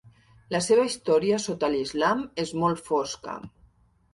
La seva història sota l'islam és molt fosca.